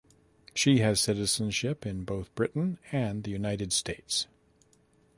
She has citizenship in both Britain and the United States.